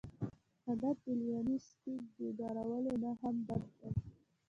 عادت د لیوني سپي د داړلو نه هم بد دی.